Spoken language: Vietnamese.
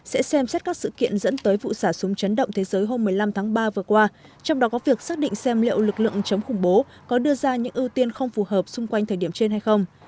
sẽ xem xét các sự kiện dẫn tới vụ xả súng chấn động thế giới hôm một mươi năm tháng ba vừa qua trong đó có việc xác định xem liệu lực lượng chống khủng bố có đưa ra những ưu tiên không phù hợp xung quanh thời điểm trên hay không